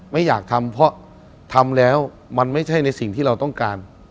ไม่อยากทำเพราะทำแล้วมันไม่ใช่ในสิ่งที่เราต้องการ